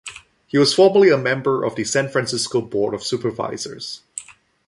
He was formerly a member of the San Francisco Board of Supervisors.